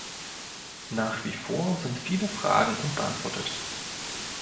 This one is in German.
Nach wie vor sind viele Fragen unbeantwortet.